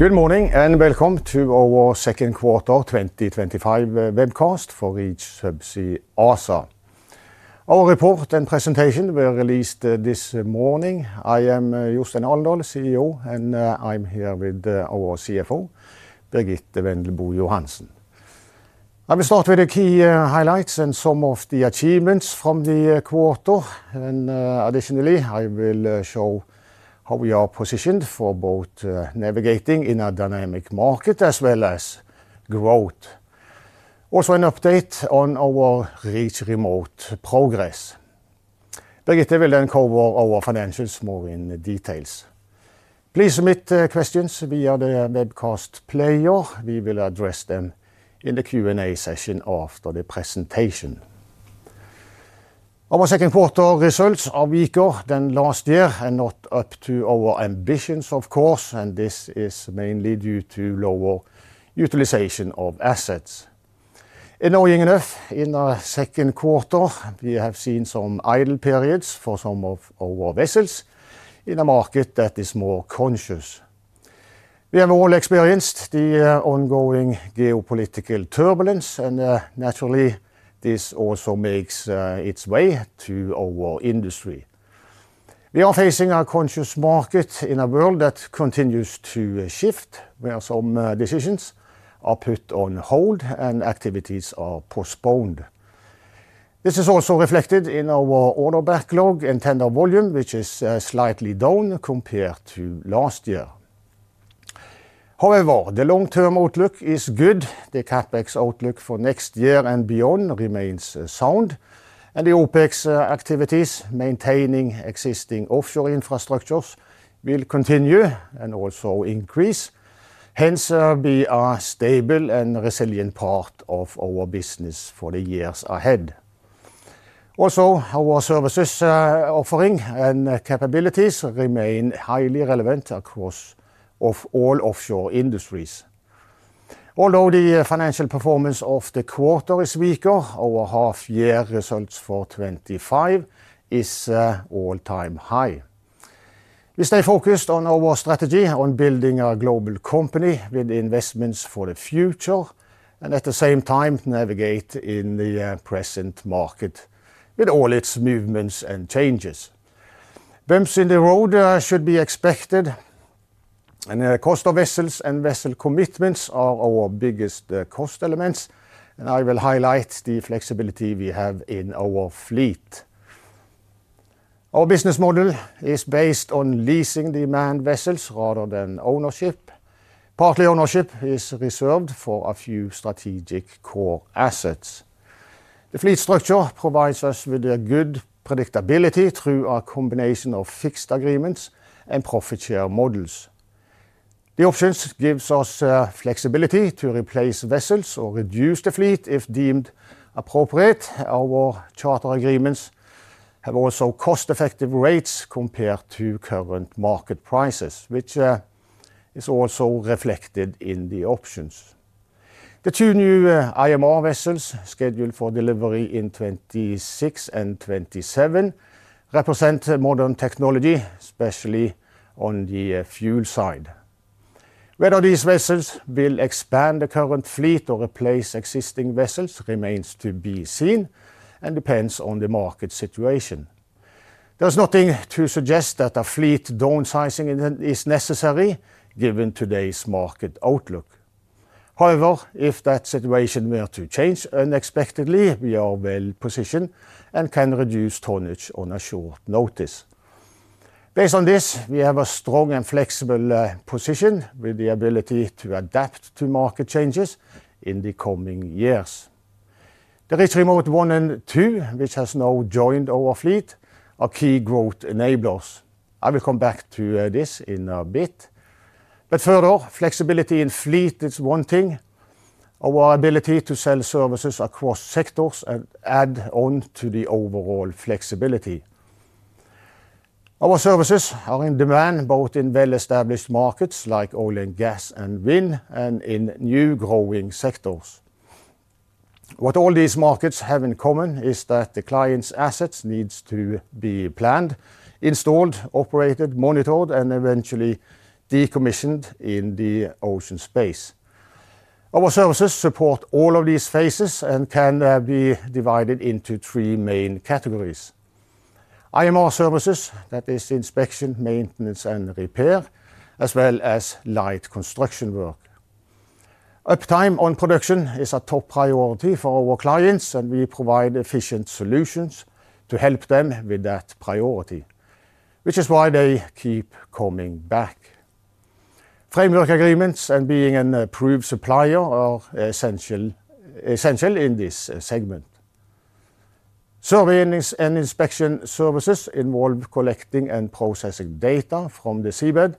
Good morning and welcome to our second quarter 2025 webcast for Reach Subsea ASA. Our report and presentation were released this morning. I am Jostein Alendal, CEO, and I'm here with our CFO, Birgitte Bendriss Johansen. I will start with the key highlights and some of the achievements from the quarter. Additionally, I will show how we are positioned for both navigating in a dynamic market as well as growth. Also, an update on our Reach Remote progress. Birgitte will then cover our financials more in detail. Please submit questions via the webcast player. We will address them in the Q&A session after the presentation. Our second quarter results are weaker than last year and not up to our ambitions, of course, and this is mainly due to lower utilization of assets. Annoying enough, in the second quarter, we have seen some idle periods for some of our vessels in a market that is more conscious. We have all experienced the ongoing geopolitical turbulence, and naturally, this also makes its way to our industry. We are facing a conscious market in a world that continues to shift, where some decisions are put on hold and activities are postponed. This is also reflected in our order backlog and tender volume, which is slightly down compared to last year. However, the long-term outlook is good. The CapEx outlook for next year and beyond remains sound, and the OpEx activities maintaining existing offshore infrastructures will continue and also increase. Hence, we are a stable and resilient part of our business for the years ahead. Also, our services offering and capabilities remain highly relevant across all offshore industries. Although the financial performance of the quarter is weaker, our half-year results for 2025 are all-time high. We stay focused on our strategy on building a global company with investments for the future, and at the same time, navigate in the present market with all its movements and changes. Bumps in the road should be expected, and cost of vessels and vessel commitments are our biggest cost elements, and I will highlight the flexibility we have in our fleet. Our business model is based on leasing demand vessels rather than ownership. Partly ownership is reserved for a few strategic core assets. The fleet structure provides us with a good predictability through a combination of fixed agreements and profit share models. The options give us flexibility to replace vessels or reduce the fleet if deemed appropriate. Our charter agreements have also cost-effective rates compared to current market prices, which is also reflected in the options. The two new IMR vessels scheduled for delivery in 2026 and 2027 represent modern technology, especially on the fuel side. Whether these vessels will expand the current fleet or replace existing vessels remains to be seen and depends on the market situation. There is nothing to suggest that a fleet downsizing is necessary given today's market outlook. However, if that situation were to change unexpectedly, we are well positioned and can reduce tonnage on a short notice. Based on this, we have a strong and flexible position with the ability to adapt to market changes in the coming years. The Reach Remote One and Reach Remote Two, which has now joined our fleet, are key growth enablers. I will come back to this in a bit. Further, flexibility in fleet is one thing. Our ability to sell services across sectors adds on to the overall flexibility. Our services are in demand both in well-established markets like oil and gas and wind and in new growing sectors. What all these markets have in common is that the client's assets need to be planned, installed, operated, monitored, and eventually decommissioned in the ocean space. Our services support all of these phases and can be divided into three main categories: IMR services, that is inspection, maintenance, and repair, as well as light construction work. Uptime on production is a top priority for our clients, and we provide efficient solutions to help them with that priority, which is why they keep coming back. Framework agreements and being an approved supplier are essential in this segment. Survey ane inspection services involve collecting and processing data from the seabed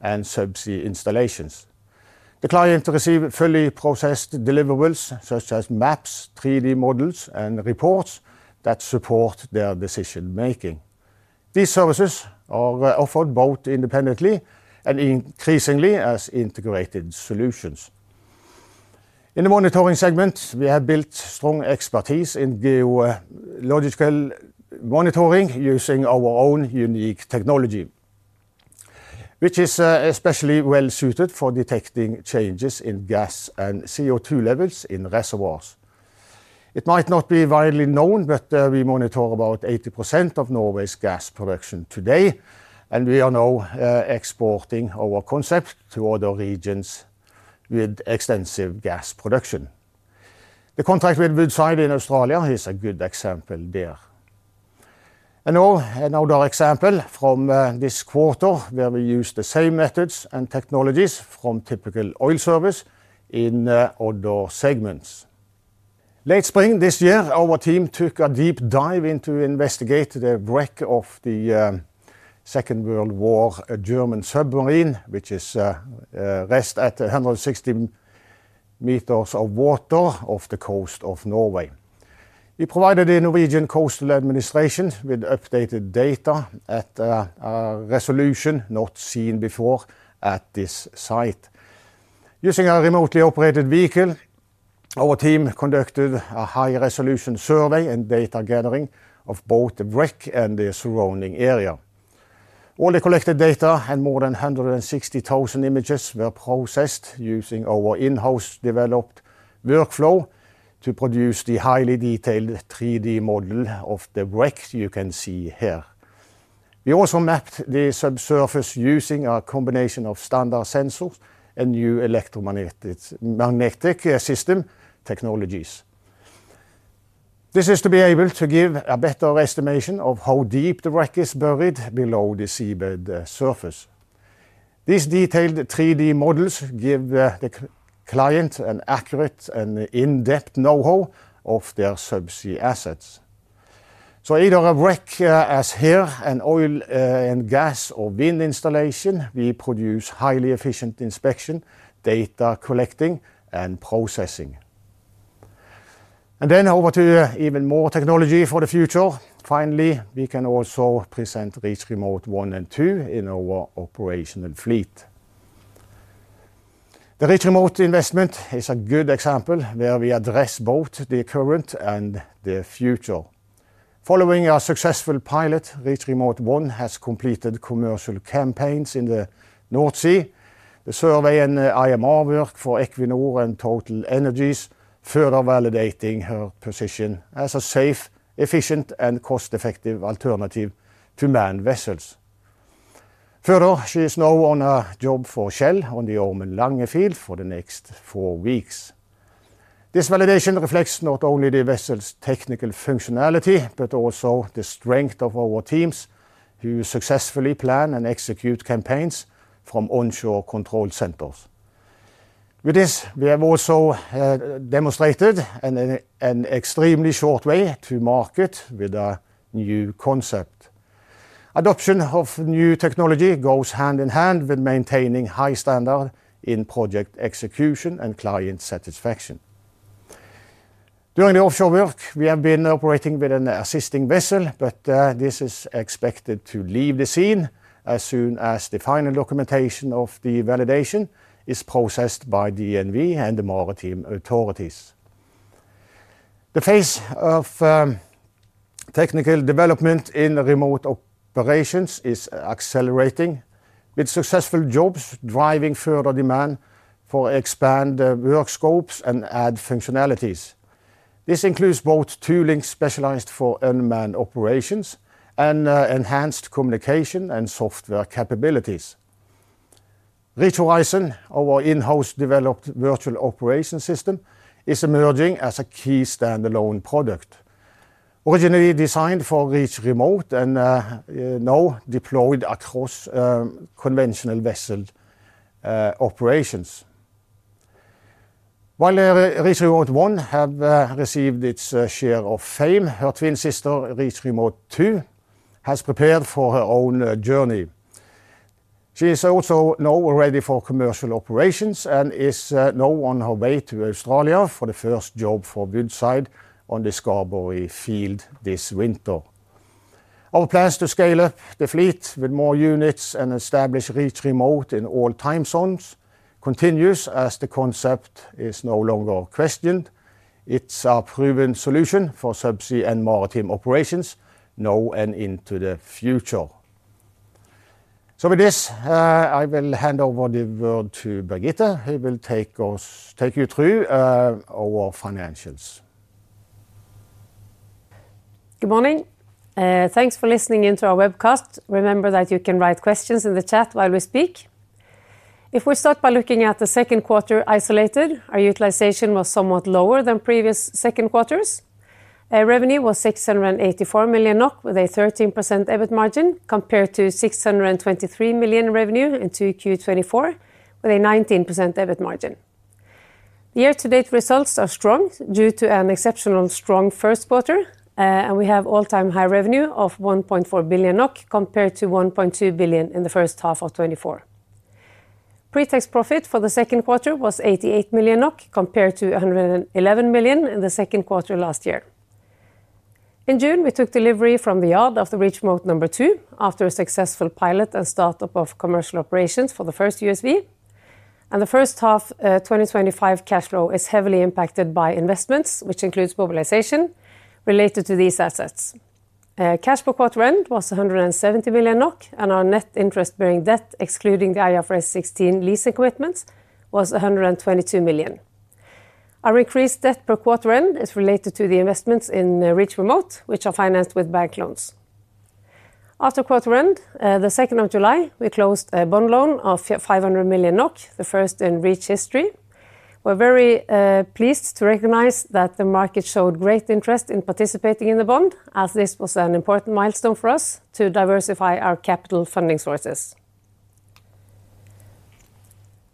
and subsea installations. The client receives fully processed deliverables such as maps, 3D models, and reports that support their decision-making. These services are offered both independently and increasingly as integrated solutions. In the monitoring segment, we have built strong expertise in geological monitoring using our own unique technology, which is especially well suited for detecting changes in gas and CO2 levels in reservoirs. It might not be widely known, but we monitor about 80% of Norway's gas production today, and we are now exporting our concept to other regions with extensive gas production. The contract with Woodside in Australia is a good example there. Another example from this quarter where we use the same methods and technologies from typical oil service in other segments. Late spring this year, our team took a deep dive to investigate the wreck of the Second World War German submarine, which rested at 160 meters of water off the coast of Norway. We provided the Norwegian Coastal Administration with updated data at a resolution not seen before at this site. Using a remotely operated vehicle, our team conducted a high-resolution survey and data gathering of both the wreck and the surrounding area. All the collected data and more than 160,000 images were processed using our in-house developed workflow to produce the highly detailed 3D model of the wreck you can see here. We also mapped the subsurface using a combination of standard sensors and new electromagnetic system technologies. This is to be able to give a better estimation of how deep the wreck is buried below the seabed surface. These detailed 3D models give the client an accurate and in-depth know-how of their subsea assets. Either a wreck as here, an oil and gas or wind installation, we produce highly efficient inspection, data collecting, and processing. Over to even more technology for the future. Finally, we can also present Reach Remote One and Two in our operational fleet. The Reach Remote investment is a good example where we address both the current and the future. Following a successful pilot, Reach Remote One has completed commercial campaigns in the North Sea. The survey and IMR work for Equinor and TotalEnergies further validates her position as a safe, efficient, and cost-effective alternative to manned vessels. Further, she is now on a job for Shell on the Ormen Lange Field for the next four weeks. This validation reflects not only the vessel's technical functionality but also the strength of our teams who successfully plan and execute campaigns from onshore control centers. With this, we have also demonstrated an extremely short way to market with a new concept. Adoption of new technology goes hand in hand with maintaining high standards in project execution and client satisfaction. During the offshore work, we have been operating with an assisting vessel, but this is expected to leave the scene as soon as the final documentation of the validation is processed by DNV and the maritime authorities. The phase of technical development in remote operations is accelerating, with successful jobs driving further demand for expanded work scopes and added functionalities. This includes both tooling specialized for unmanned operations and enhanced communication and software capabilities. Reach Horizon, our in-house developed virtual operation system, is emerging as a key standalone product. Originally designed for Reach Remote and now deployed across conventional vessel operations. While Reach Remote One has received its share of fame, her twin sister Reach Remote Two has prepared for her own journey. She is also now ready for commercial operations and is now on her way to Australia for the first job for Woodside on the Scarborough field this winter. Our plans to scale up the fleet with more units and establish Reach Remote in all time zones continue as the concept is no longer questioned. It's a proven solution for subsea and maritime operations now and into the future. I will hand over the word to Birgitte, who will take you through our financials. Good morning. Thanks for listening in to our webcast. Remember that you can write questions in the chat while we speak. If we start by looking at the second quarter isolated, our utilization was somewhat lower than previous second quarters. Revenue was 684 million NOK with a 13% EBIT margin compared to 623 million revenue in Q2 with a 19% EBIT margin. Year-to-date results are strong due to an exceptionally strong first quarter, and we have all-time high revenue of 1.4 billion NOK compared to 1.2 billion in the first half of 2024. Pre-tax profit for the second quarter was 88 million NOK compared to 111 million in the second quarter last year. In June, we took delivery from the yard of the Reach Remote Two after a successful pilot and startup of commercial operations for the first USV. The first half 2025 cash flow is heavily impacted by investments, which includes mobilization related to these assets. Cash per quarter end was 170 million NOK, and our net interest-bearing debt, excluding the IFRS 16 leasing commitments, was 122 million. Our increased debt per quarter end is related to the investments in Reach Remote, which are financed with bank loans. After quarter end, on the 2nd of July, we closed a bond loan of 500 million NOK, the first in Reach history. We're very pleased to recognize that the market showed great interest in participating in the bond, as this was an important milestone for us to diversify our capital funding sources.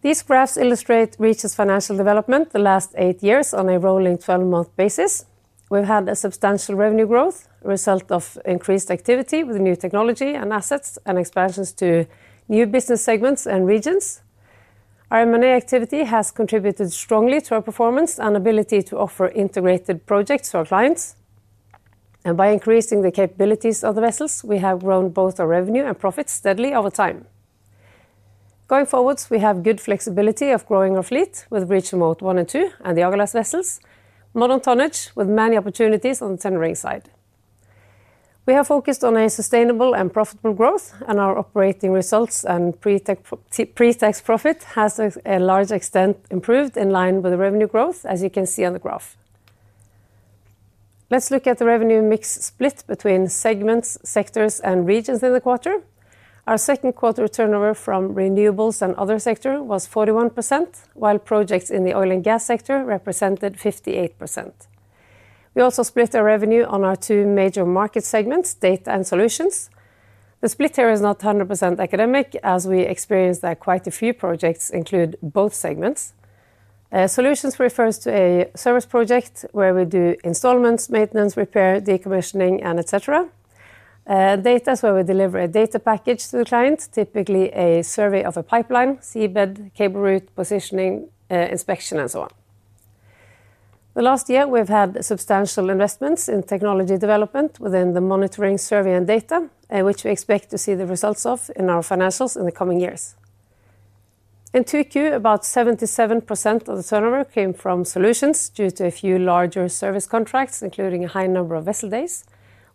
These graphs illustrate Reach's financial development the last eight years on a rolling 12-month basis. We've had a substantial revenue growth, a result of increased activity with new technology and assets and expansions to new business segments and regions. Our M&A activity has contributed strongly to our performance and ability to offer integrated projects to our clients. By increasing the capabilities of the vessels, we have grown both our revenue and profits steadily over time. Going forward, we have good flexibility of growing our fleet with Reach Remote One and Two and the other vessels, modern tonnage with many opportunities on the tendering side. We have focused on a sustainable and profitable growth, and our operating results and pre-tax profit have to a large extent improved in line with the revenue growth, as you can see on the graph. Let's look at the revenue mix split between segments, sectors, and regions in the quarter. Our second quarter turnover from renewables and other sectors was 41%, while projects in the oil and gas sector represented 58%. We also split our revenue on our two major market segments, data and solutions. The split here is not 100% academic, as we experienced that quite a few projects include both segments. Solutions refers to a service project where we do installments, maintenance, repair, decommissioning, and etc. Data is where we deliver a data package to the client, typically a survey of a pipeline, seabed, cable route, positioning, inspection, and so on. The last year, we've had substantial investments in technology development within the monitoring, survey, and data, which we expect to see the results of in our financials in the coming years. In Q2, about 77% of the turnover came from solutions due to a few larger service contracts, including a high number of vessel days,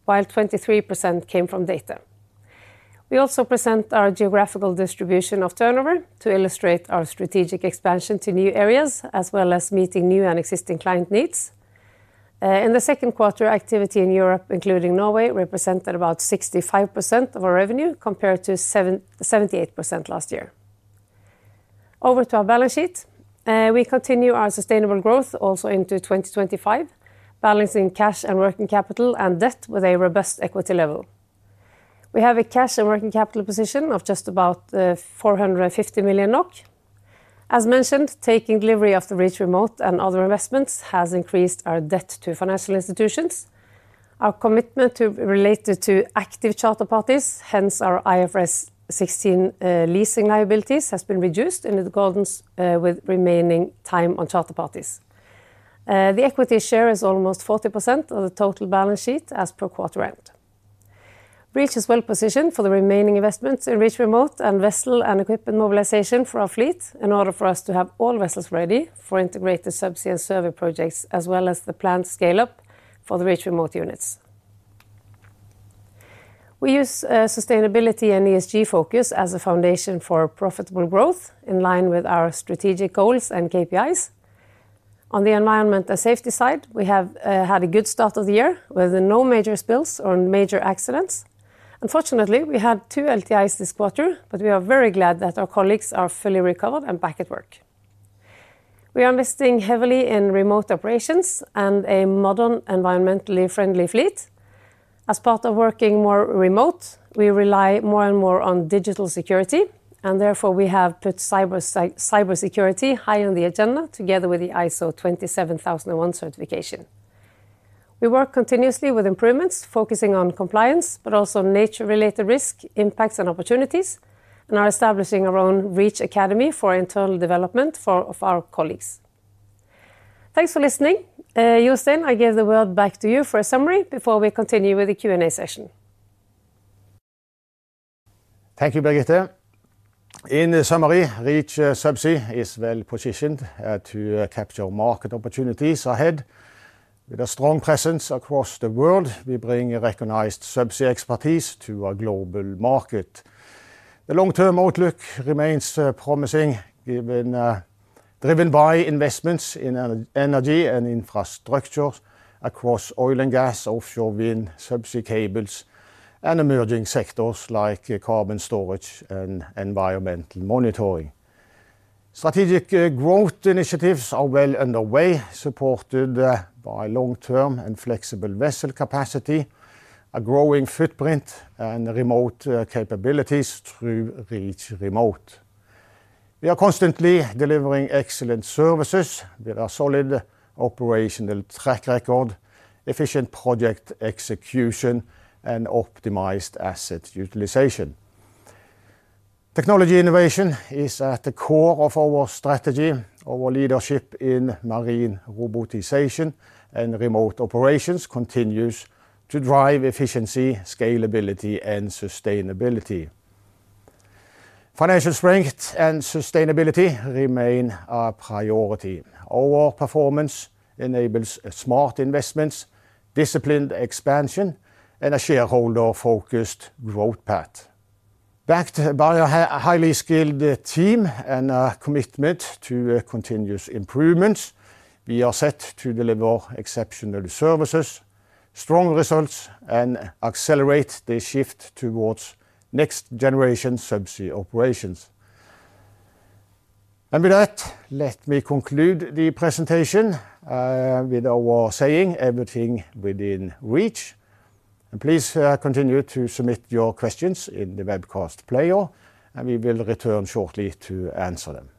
while 23% came from data. We also present our geographical distribution of turnover to illustrate our strategic expansion to new areas, as well as meeting new and existing client needs. In the second quarter, activity in Europe, including Norway, represented about 65% of our revenue compared to 78% last year. Over to our balance sheet, we continue our sustainable growth also into 2025, balancing cash and working capital and debt with a robust equity level. We have a cash and working capital position of just about 450 million NOK. As mentioned, taking delivery of the Reach Remote and other investments has increased our debt to financial institutions. Our commitment related to active charter parties, hence our IFRS 16 leasing liabilities, has been reduced in the goldens with remaining time on charter parties. The equity share is almost 40% of the total balance sheet as per quarter end. Reach is well positioned for the remaining investments in Reach Remote and vessel and equipment mobilization for our fleet in order for us to have all vessels ready for integrated subsea and survey projects, as well as the planned scale-up for the Reach Remote units. We use sustainability and ESG focus as a foundation for profitable growth in line with our strategic goals and KPIs. On the environment and safety side, we have had a good start of the year with no major spills or major accidents. Unfortunately, we had two LTIs this quarter, but we are very glad that our colleagues are fully recovered and back at work. We are investing heavily in remote operations and a modern, environmentally friendly fleet. As part of working more remote, we rely more and more on digital security, and therefore we have put cybersecurity high on the agenda together with the ISO 27001 certification. We work continuously with improvements, focusing on compliance, but also nature-related risk impacts and opportunities, and are establishing our own Reach Academy for internal development for our colleagues. Thanks for listening. Jostein, I give the word back to you for a summary before we continue with the Q&A session. Thank you, Birgitte. In summary, Reach Subsea is well positioned to capture market opportunities ahead. With a strong presence across the world, we bring recognized subsea expertise to our global market. The long-term outlook remains promising, driven by investments in energy and infrastructure across oil and gas, offshore wind, subsea cables, and emerging sectors like carbon storage and environmental monitoring. Strategic growth initiatives are well underway, supported by long-term and flexible vessel capacity, a growing footprint, and remote capabilities through Reach Remote. We are constantly delivering excellent services with a solid operational track record, efficient project execution, and optimized asset utilization. Technology innovation is at the core of our strategy. Our leadership in marine robotization and remote operations continues to drive efficiency, scalability, and sustainability. Financial strength and sustainability remain a priority. Our performance enables smart investments, disciplined expansion, and a shareholder-focused growth path. Backed by a highly skilled team and a commitment to continuous improvements, we are set to deliver exceptional services, strong results, and accelerate the shift towards next-generation subsea operations. Let me conclude the presentation with our saying, "Everything within Reach." Please continue to submit your questions in the webcast player, and we will return shortly to answer them.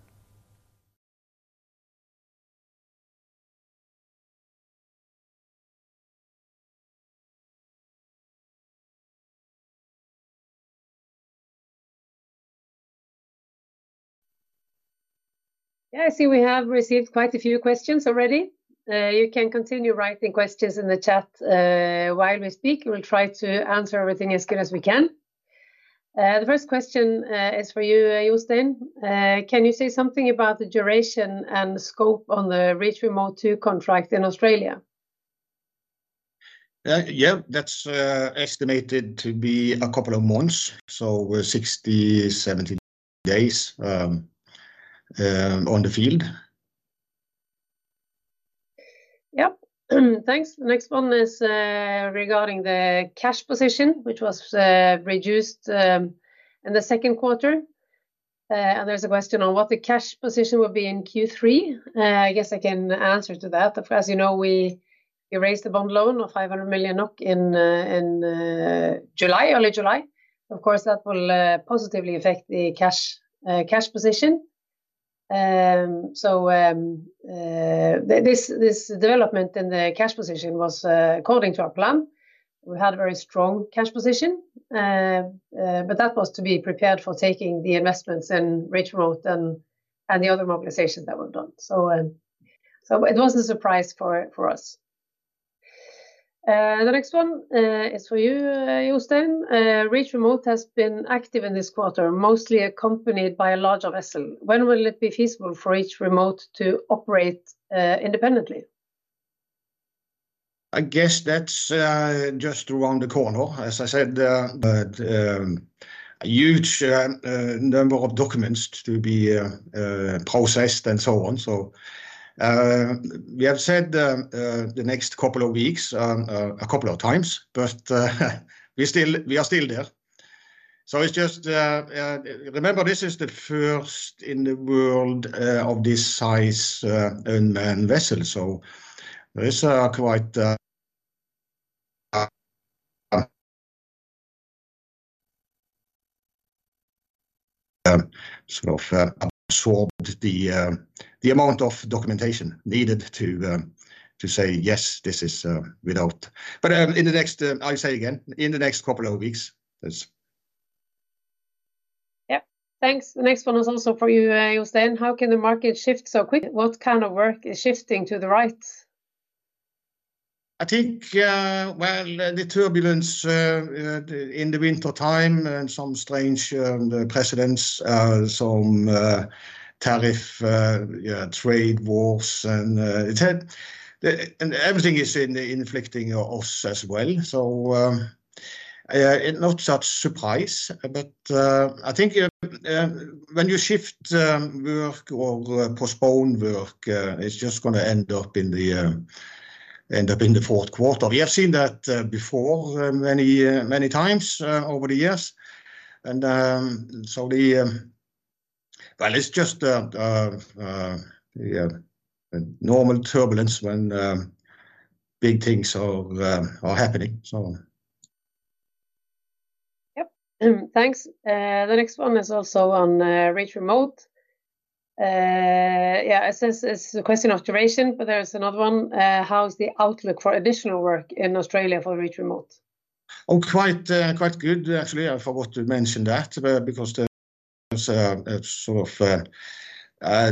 Yeah, I see we have received quite a few questions already. You can continue writing questions in the chat while we speak. We'll try to answer everything as good as we can. The first question is for you, Jostein. Can you say something about the duration and scope on the Reach Remote Two contract in Australia? Yeah, that's estimated to be a couple of months, 60-70 days on the field. Yep, thanks. The next one is regarding the cash position, which was reduced in the second quarter. There's a question on what the cash position will be in Q3. I guess I can answer to that. As you know, we raised the bond loan of 500 million in July, early July. Of course, that will positively affect the cash position. This development in the cash position was according to our plan. We had a very strong cash position, but that was to be prepared for taking the investments in Reach Remote and the other mobilizations that were done. It wasn't a surprise for us. The next one is for you, Jostein. Reach Remote has been active in this quarter, mostly accompanied by a larger vessel. When will it be feasible for Reach Remote to operate independently? I guess that's just around the corner. As I said, a huge number of documents to be processed and so on. We have said the next couple of weeks a couple of times, but we are still there. Just remember, this is the first in the world of this size unmanned vessel. There is quite a sort of absorbed amount of documentation needed to say, yes, this is without. In the next, I'll say again, in the next couple of weeks. Thanks. The next one is also for you, Jostein. How can the market shift so quickly? What kind of work is shifting to the right? I think the turbulence in the wintertime and some strange precedents, some tariff trade wars, and everything is inflicting on us as well. Not such a surprise, but I think when you shift work or postpone work, it's just going to end up in the fourth quarter. We have seen that before many, many times over the years. It's just a normal turbulence when big things are happening. Thanks. The next one is also on Reach Remote. It's a question of duration, but there is another one. How's the outlook for additional work in Australia for Reach Remote? Oh, quite good. Actually, I forgot to mention that because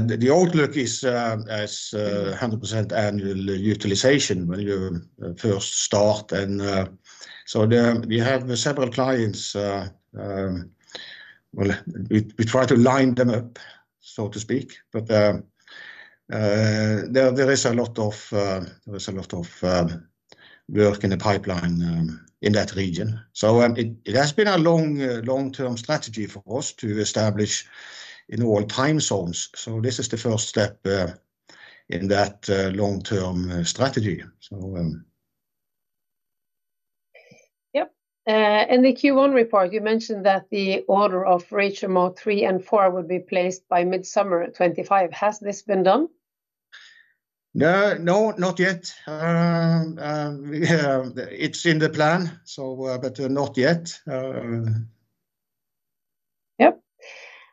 the outlook is 100% annual utilization when you first start. We have several clients. We try to line them up, so to speak, but there is a lot of work in the pipeline in that region. It has been a long-term strategy for us to establish in all time zones. This is the first step in that long-term strategy. In the Q1 report, you mentioned that the order of Reach Remote Three and Four would be placed by mid-summer 2025. Has this been done? No, not yet. It's in the plan, but not yet. Yes.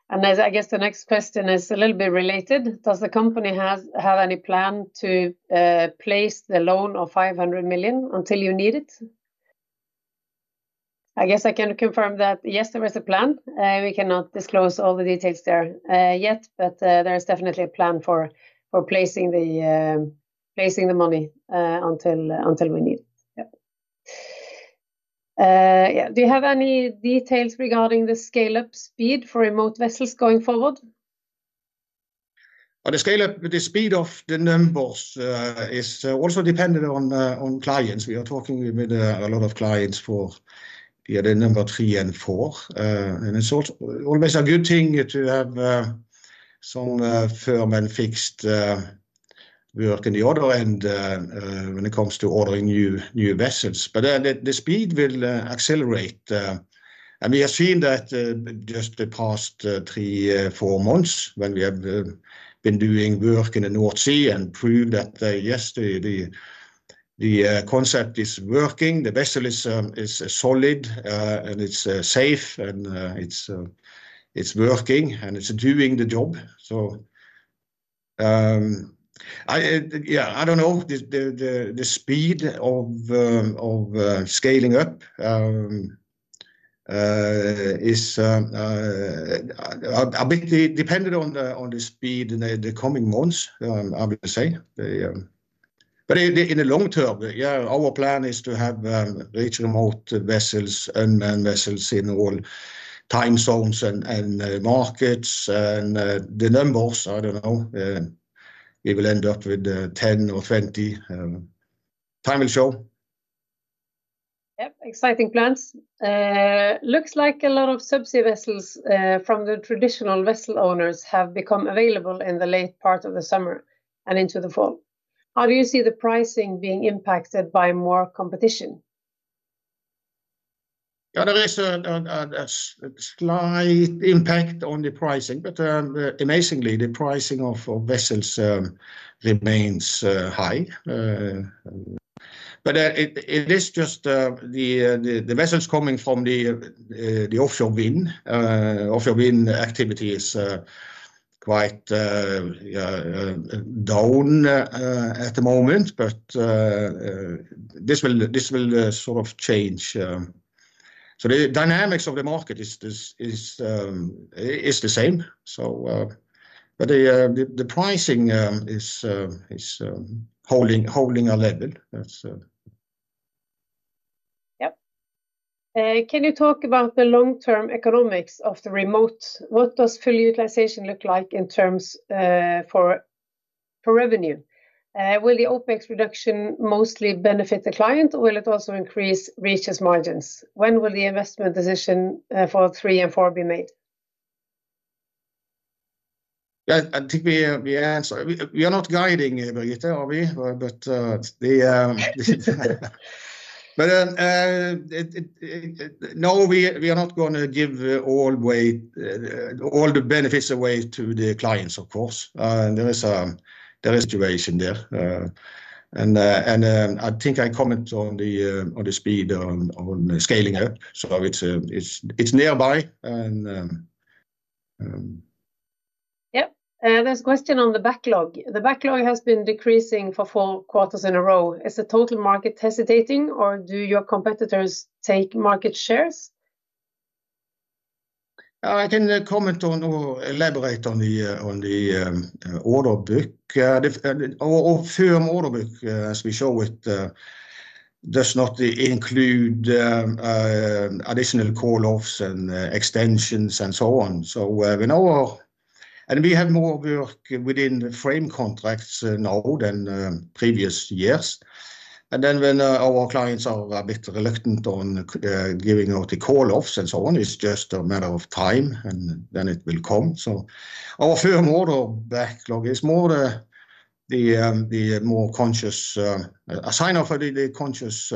I guess the next question is a little bit related. Does the company have any plan to place the loan of 500 million until you need it? I can confirm that, yes, there is a plan. We cannot disclose all the details there yet, but there is definitely a plan for placing the money until we need it. Do you have any details regarding the scale-up speed for remote vessels going forward? The scale-up, the speed of the numbers is also dependent on clients. We are talking with a lot of clients for the number Three and Four. It's always a good thing to have some firm and fixed work in the order when it comes to ordering new vessels. The speed will accelerate. We have seen that just the past three, four months when we have been doing work in the North Sea and proved that, yes, the concept is working. The vessel is solid, it's safe, it's working, and it's doing the job. I don't know. The speed of scaling up is a bit dependent on the speed in the coming months, I would say. In the long term, our plan is to have Reach Remote vessels, unmanned vessels in all time zones and markets. The numbers, I don't know. We will end up with 10 or 20. Time will show. Yep, exciting plans. Looks like a lot of subsea vessels from the traditional vessel owners have become available in the late part of the summer and into the fall. How do you see the pricing being impacted by more competition? There is a slight impact on the pricing, but amazingly, the pricing of vessels remains high. It is just the vessels coming from the offshore wind. Offshore wind activity is quite down at the moment. This will sort of change. The dynamics of the market is the same, but the pricing is holding a level. Yep. Can you talk about the long-term economics of the remote? What does fully utilization look like in terms for revenue? Will the OpEx reduction mostly benefit the client, or will it also increase Reach's margins? When will the investment decision for Three and Four be made? I think we are not guiding it, are we? No, we are not going to give all the benefits away to the clients, of course. There is a duration there. I think I comment on the speed on scaling up. It's nearby. Yep. There's a question on the order backlog. The order backlog has been decreasing for four quarters in a row. Is the total market hesitating, or do your competitors take market shares? I can comment on or elaborate on the order book. Our firm order book, as we show it, does not include additional call-offs and extensions and so on. We know and we have more work within the frame contracts now than previous years. When our clients are a bit reluctant on giving out the call-offs and so on, it's just a matter of time, and it will come. Our firm order backlog is more the more conscious a sign-off for the conscious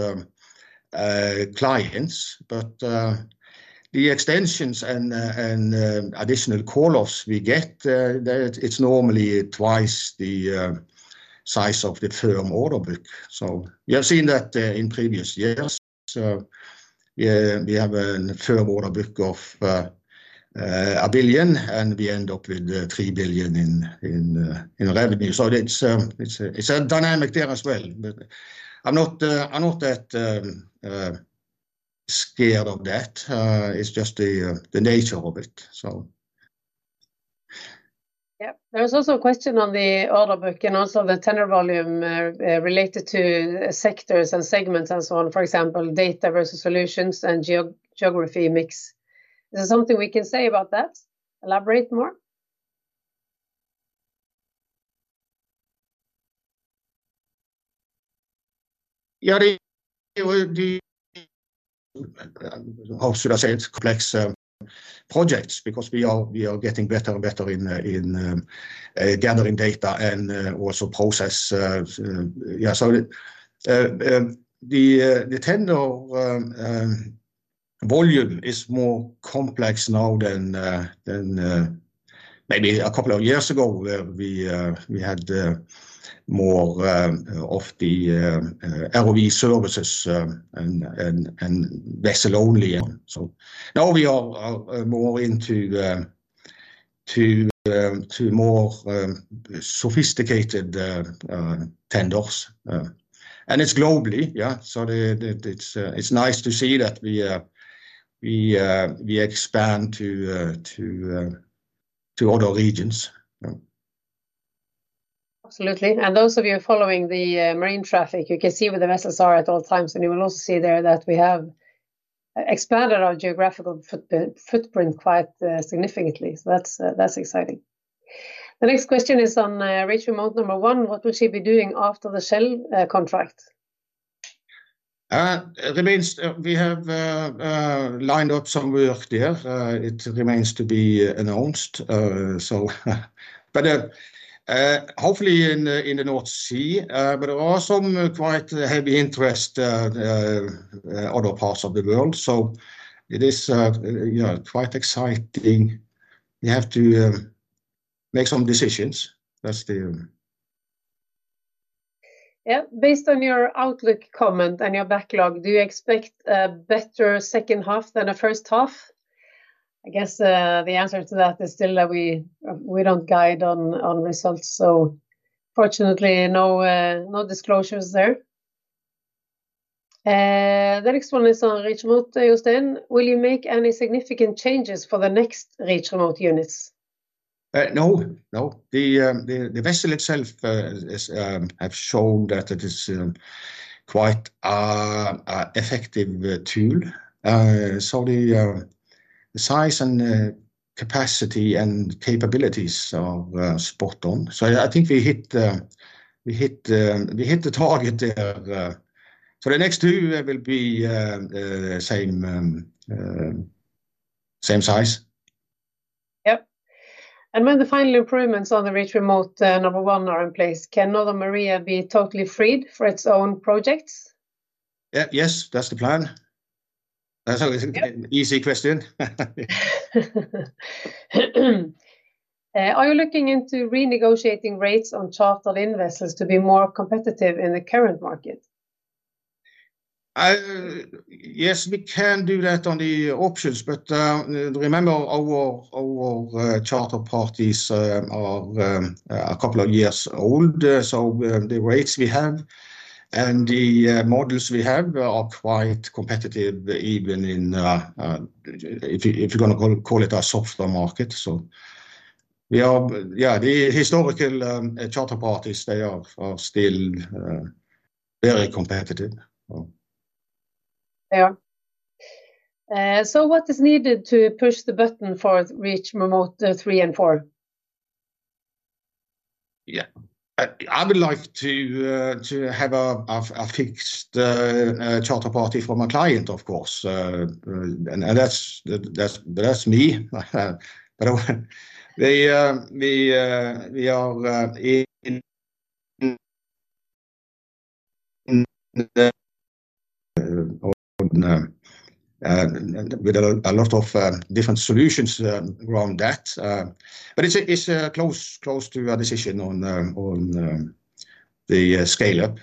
clients. The extensions and additional call-offs we get, it's normally twice the size of the firm order book. We have seen that in previous years. We have a firm order book of 1 billion, and we end up with NOK 3 billion in revenue. There's a dynamic there as well. I'm not that scared of that. It's just the nature of it. Yep. There's also a question on the order backlog and also the tender volume related to sectors and segments and so on, for example, data versus solutions and geography mix. Is there something we can say about that? Elaborate more? The complex projects, because we are getting better and better in gathering data and also process. The tender volume is more complex now than maybe a couple of years ago where we had more of the ROV services and vessel only. Now we are more into more sophisticated tenders. It's globally, yeah. It's nice to see that we expand to other regions. Absolutely. Those of you following the marine traffic can see with the MSR at all times. You will also see there that we have expanded our geographical footprint quite significantly. That's exciting. The next question is on Reach Remote One. What will she be doing after the Shell contract? We have lined up some work there. It remains to be announced, hopefully in the North Sea. There is quite heavy interest in other parts of the world, so it is quite exciting. We have to make some decisions. Yeah. Based on your outlook comment and your backlog, do you expect a better second half than the first half? I guess the answer to that is still that we don't guide on results. Fortunately, no disclosures there. The next one is on Reach Remote. Jostein, will you make any significant changes for the next Reach Remote units? No, no. The vessel itself has shown that it is quite an effective tool. The size, capacity, and capabilities are spot on. I think we hit the target there. The next two will be the same size. Yes. When the final improvements on Reach Remote One are in place, can Northern Maria be totally freed for its own projects? Yes, that's the plan. That's an easy question. Are you looking into renegotiating rates on chartered investors to be more competitive in the current market? Yes, we can do that on the options. Remember, our charter parties are a couple of years old. The rates we have and the models we have are quite competitive even if you're going to call it a software market. The historical charter parties are still very competitive. What is needed to push the button for Reach Remote Three and Four? Yeah. I would like to have a fixed charter party for my client, of course. That's me. We have a lot of different solutions around that. It's close to a decision on the scale-up.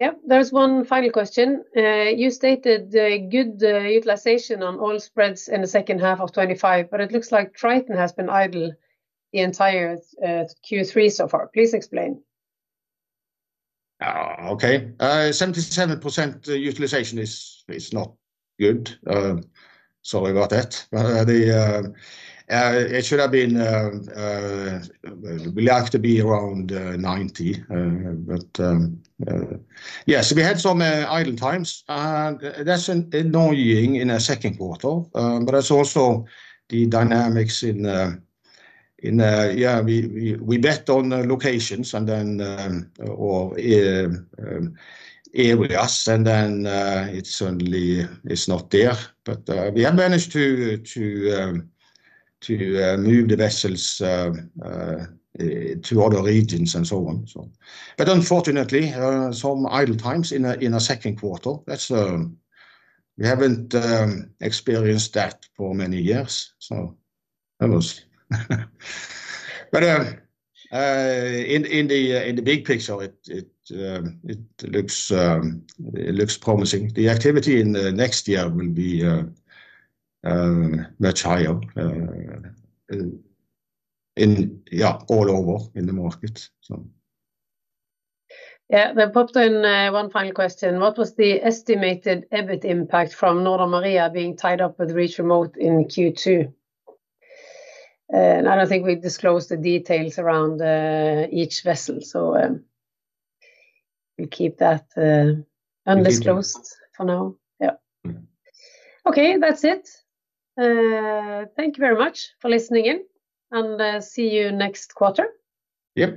Yep. There's one final question. You stated good utilization on oil spreads in the second half of 2025, but it looks like Triton has been idle the entire Q3 so far. Please explain. Okay. 77% utilization is not good. Sorry about that. It should have been, we like to be around 90%. We had some idle times, and that's annoying in the second quarter. It's also the dynamics in, yeah, we bet on locations and then air with us, and then it's not there. We have managed to move the vessels to other regions and so on. Unfortunately, some idle times in the second quarter. We haven't experienced that for many years. In the big picture, it looks promising. The activity in the next year will be much higher, yeah, all over in the market. Yeah. There popped in one final question. What was the estimated EBIT impact from Northern Maria being tied up with Reach Remote in Q2? I don't think we disclosed the details around each vessel, so we'll keep that undisclosed for now. Okay. That's it. Thank you very much for listening in, and see you next quarter. Yep.